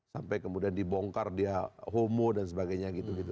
sampai kemudian dibongkar dia homo dan sebagainya gitu gitu